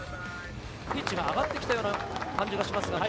ピッチが上がってきたような感じもします。